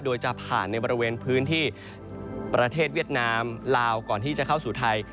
โดยจะผ่านในบริเวณพื้นที่ประเทศเวียดนามลาวก่อนที่จะเข้าสู่ไทย